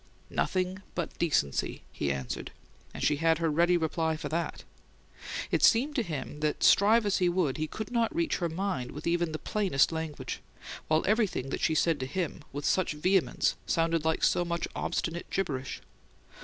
"Nothing but decency," he answered; and she had her reply ready for that. It seemed to him that, strive as he would, he could not reach her mind with even the plainest language; while everything that she said to him, with such vehemence, sounded like so much obstinate gibberish.